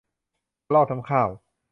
กระรอกน้ำข้าว